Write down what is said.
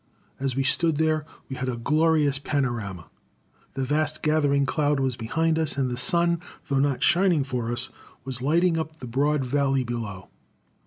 As we stood there we had a glorious panorama. The vast gathering cloud was behind us, and the sun, though not shining for us, was lighting up the broad valley below.